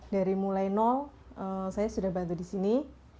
dari mulai nol saya sudah bantu di sini